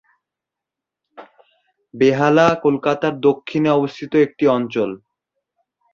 বেহালা কলকাতার দক্ষিণে অবস্থিত একটি অঞ্চল।